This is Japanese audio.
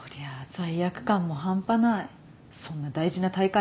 罪悪感も半端ないそんな大事な大会